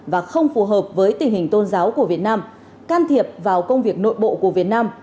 và không phù hợp với tình hình tôn giáo của việt nam can thiệp vào công việc nội bộ của việt nam